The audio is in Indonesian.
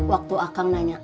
waktu akang nanya